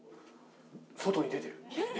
外に出てる。